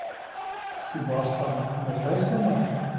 Хіба ж там не те саме?